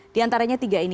di antaranya tiga ini